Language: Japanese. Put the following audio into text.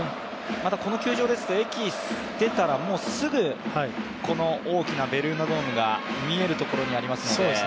またこの球場ですと、駅出たらもうすぐこの大きなベルーナドームが見えるところにありますので。